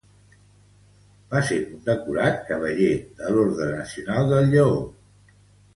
Va ser condecorat Cavaller de l'Orde Nacional del Lleó.